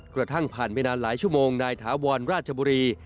กระทั่งผ่านไปนานหลายชั่วโมงนายถาวรราชบุรี